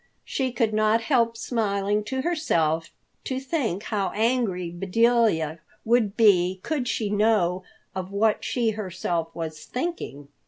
She could not help smiling to herself to think how angry Bedelia would be could she know of what she herself was thinking.